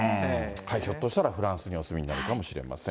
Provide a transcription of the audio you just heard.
ひょっとしたらフランスにお住みになるかもしれません。